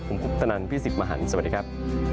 ผมคุปตนันพี่สิทธิ์มหันฯสวัสดีครับ